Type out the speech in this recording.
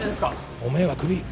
おめぇはクビ。